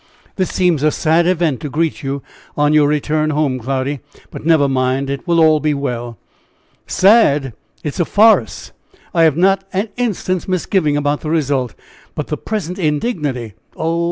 "This seems a sad event to greet you on your return home. Cloudy; but never mind, it will all be well!" "Sad? It's a farce! I have not an instant's misgiving about the result; but the present indignity! Oh!